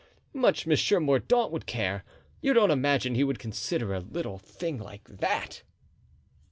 "Bah! much Monsieur Mordaunt would care. You don't imagine he would consider a little thing like that?"